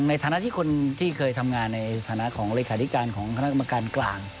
ในฐานะที่คนที่เคยทำงานในฐานะของเลขาธิการของคณะกรรมการกลาง